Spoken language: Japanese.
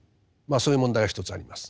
そういう問題が一つあります。